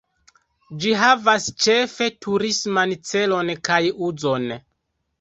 Ĝi havas ĉefe turisman celon kaj uzon.